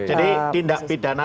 jadi tindak pidana